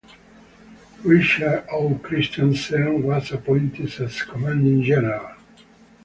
Richard O. Christiansen was appointed as Commanding General.